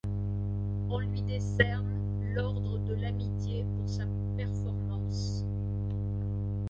On lui décerne l'Ordre de l'Amitié pour sa performance.